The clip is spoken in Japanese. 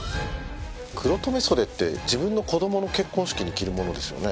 黒留め袖って自分の子供の結婚式に着るものですよね？